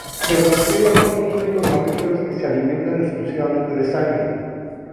Los vampiros son los únicos mamíferos que se alimentan exclusivamente de sangre.